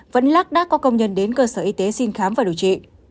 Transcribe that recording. vẫn lát đá có công nhân đến cơ sở y tế xin khám và điều trị